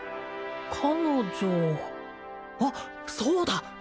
彼女あっそうだ